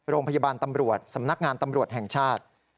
โรงพยาบาลตำรวจสำนักงานตำรวจแห่งชาติ